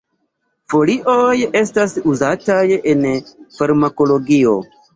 Folioj estas uzataj en farmakologio.